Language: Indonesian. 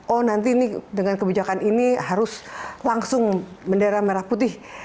oh nanti ini dengan kebijakan ini harus langsung bendera merah putih